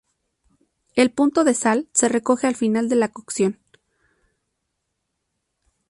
El punto de sal se corrige al final de la cocción.